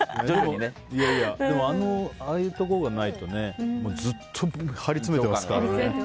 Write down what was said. でも、ああいうところがないとずっと張りつめていますからね。